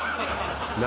何？